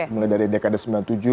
mulai dari dekade sembilan puluh tujuh